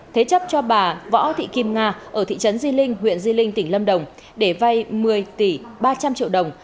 thế chấp cho bà võ thị kim nga ở thị trấn di linh huyện di linh tỉnh lâm đồng để vay một mươi tỷ ba trăm linh triệu đồng